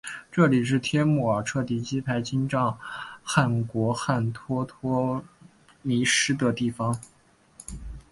这里是帖木儿彻底击败金帐汗国汗脱脱迷失的地方。